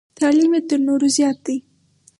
تعلیم یې تر نورو زیات دی.